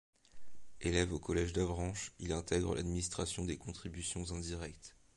Élève au collège d'Avranches, il intègre l'administration des contributions indirectes.